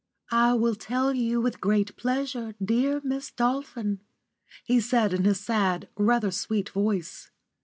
*_ "I will tell you with great pleasure, dear Miss Dolphin," he said, in his sad, rather sweet voice.